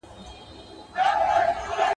د زمري په خوله کي هم خېر غواړه.